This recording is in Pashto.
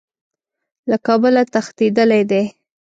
له کابله تښتېدلی دی.